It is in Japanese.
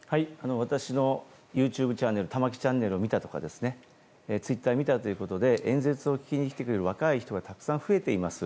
私のＹｏｕＴｕｂｅチャンネル「玉木チャンネル」を見たとかツイッターを見たということで演説を聞きに来る若い人がたくさん増えています。